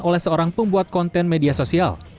oleh seorang pembuat konten media sosial